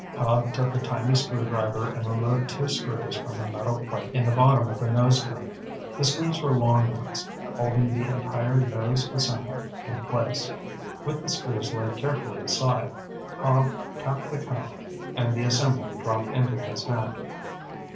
Cobb took a tiny screwdriver and removed two screws from a metal plate in the bottom of the nose cone. The screws were long ones, holding the entire nose assembly in place. With the screws laid carefully aside, Cobb tapped the cone and the assembly dropped into his hand.